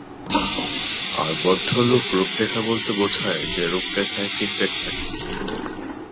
আর বদ্ধ লুপ রূপরেখা বলতে বোঝায় যে রূপরেখায় ফিডব্যাক থাকে।